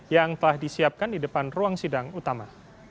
yang telah disiapkan di depan ruang sidang utama